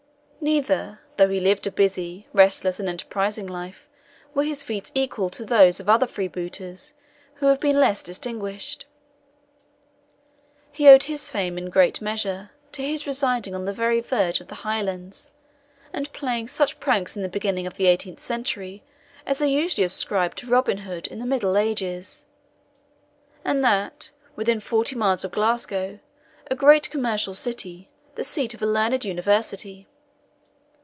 Neither, though he lived a busy, restless, and enterprising life, were his feats equal to those of other freebooters, who have been less distinguished. He owed his fame in a great measure to his residing on the very verge of the Highlands, and playing such pranks in the beginning of the 18th century, as are usually ascribed to Robin Hood in the middle ages, and that within forty miles of Glasgow, a great commercial city, the seat of a learned university.